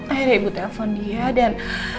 akhirnya ibu telpon dia dan